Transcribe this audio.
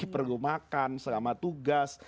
perlu makan selama tugas